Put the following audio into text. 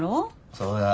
そうや。